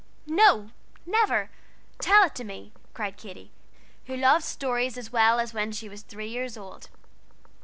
"No, never tell it to me!" cried Katy, who loved stories as well as when she was three years old.